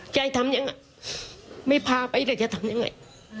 ใจทำยังไงไม่พาไปเลยจะทำยังไง